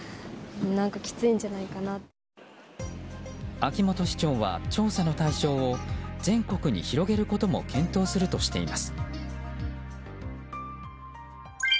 秋元市長は調査の対象を全国に広げることも検討するとしています。